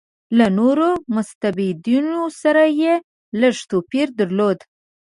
له نورو مستبدینو سره یې لږ توپیر درلود.